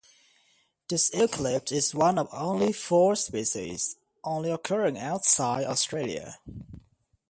This eucalypt is one of only four species only occurring outside Australia.